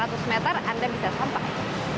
dari lima ratus meter anda bisa sampai